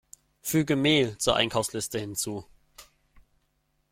Füge Mehl zur Einkaufsliste hinzu!